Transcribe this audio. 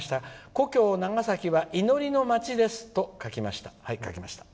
故郷・長崎は祈りの街ですと書きました。